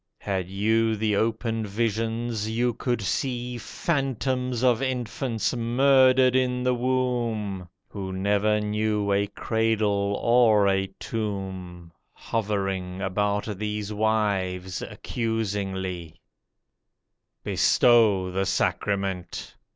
Had you the open visions you could see Phantoms of infants murdered in the womb, Who never knew a cradle or a tomb, Hovering about these wives accusingly. Bestow the sacrament!